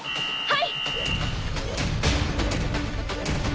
はい！